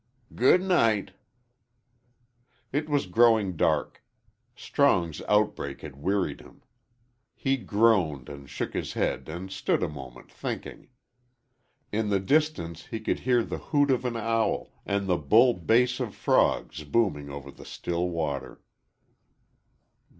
"Good night." It was growing dark. Strong's outbreak had wearied him. He groaned and shook his head and stood a moment thinking. In the distance he could hear the hoot of an owl and the bull bass of frogs booming over the still water.